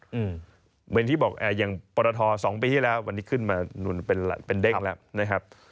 เหมือนที่บอกอย่างปรท๒ปีที่แล้ววันนี้ขึ้นมาเป็นเด้งแล้วนะครับ